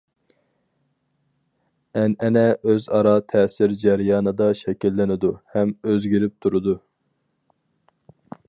ئەنئەنە ئۆزئارا تەسىر جەريانىدا شەكىللىنىدۇ ھەم ئۆزگىرىپ تۇرىدۇ.